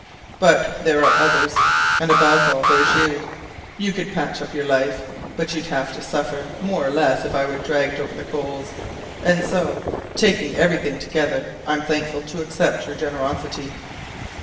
But there are others. And above all, there's you. You could patch up your life, but you'd have to suffer more or less if I were dragged over the coals. And so, taking everything together, I'm thankful to accept your generosity.